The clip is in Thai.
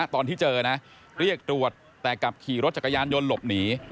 ตอนที่เจอนะเรียกตรวจแต่กลับขี่รถจักรยานยนต์หลบหนี